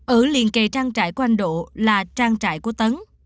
ở liền kề trang trại của anh độ là trang trại của tấn